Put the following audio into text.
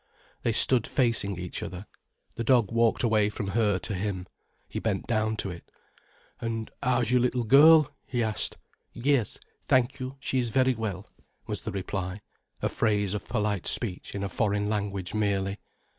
They stood facing each other. The dog walked away from her to him. He bent down to it. "And how's your little girl?" he asked. "Yes, thank you, she is very well," was the reply, a phrase of polite speech in a foreign language merely.